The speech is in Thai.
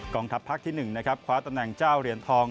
กองทัพภักดิ์ที่๑คว้าตำแหน่งเจ้าเหรียญทอง